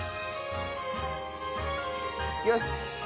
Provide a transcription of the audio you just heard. よし！